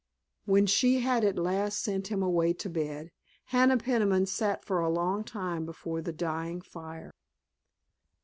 When she had at last sent him away to bed Hannah Peniman sat for a long time before the dying fire.